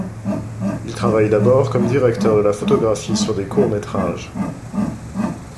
Il travaille d'abord comme directeur de la photographie sur des courts métrages.